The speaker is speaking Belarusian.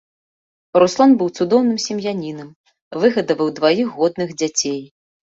Руслан быў цудоўным сем'янінам, выгадаваў дваіх годных дзяцей.